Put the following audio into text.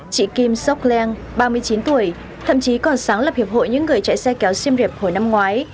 chị kim seok lang ba mươi chín tuổi thậm chí còn sáng lập hiệp hội những người chạy xe kéo siêm rịp hồi năm ngoái